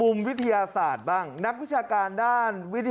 แล้วเราจะมากินอยู่ไหมแบบนี้